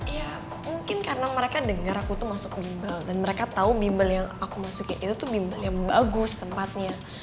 ya mungkin karena mereka dengar aku tuh masuk bimbel dan mereka tahu mimbal yang aku masukin itu tuh bimbel yang bagus tempatnya